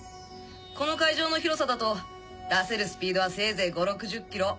この会場の広さだと出せるスピードはせいぜい５０６０キロ。